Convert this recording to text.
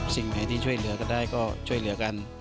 สิ่งไหนที่ช่วยเหลือกันได้ก็ช่วยเหลือกัน